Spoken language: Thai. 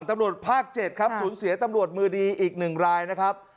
ตำรวจภาค๗ครับสูญเสียตำรวจมือดีอีก๑รายนะครับ